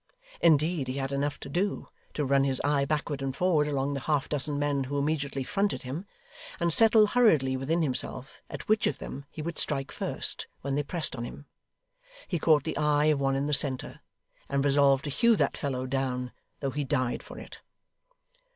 Indeed he had enough to do, to run his eye backward and forward along the half dozen men who immediately fronted him, and settle hurriedly within himself at which of them he would strike first, when they pressed on him. He caught the eye of one in the centre, and resolved to hew that fellow down, though he died for it.